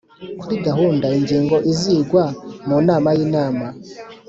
kuri gahunda ingingo izigwa mu nama y Inama